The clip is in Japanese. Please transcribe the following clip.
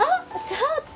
ちょっと！